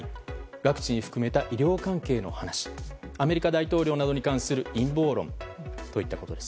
ワクチン含めた医療関係の話アメリカ大統領などに関する陰謀論といったことです。